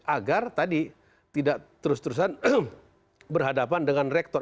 agar tadi tidak terus terusan berhadapan dengan rektor